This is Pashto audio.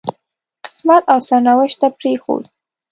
قسمت او سرنوشت ته پرېښود.